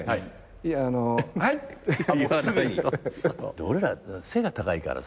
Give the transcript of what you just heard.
で俺ら背が高いからさ。